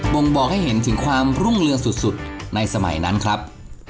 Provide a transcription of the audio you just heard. ่งบอกให้เห็นถึงความรุ่งเรืองสุดในสมัยนั้นครับ